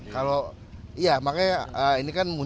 kalau nama robby itu ya emang tadi juga dipertanyakan